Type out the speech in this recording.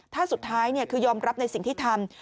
ถ้าสุดท้ายคือยอมรับในสิ่งที่ทำ